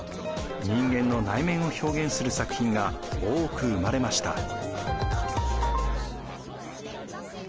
人間の内面を表現する作品が多く生まれました。